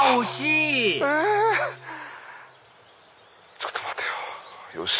ちょっと待てよよし！